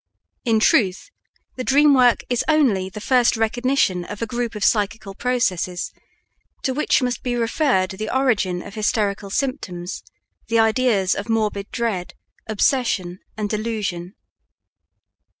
In truth, the dream work is only the first recognition of a group of psychical processes to which must be referred the origin of hysterical symptoms, the ideas of morbid dread, obsession, and illusion.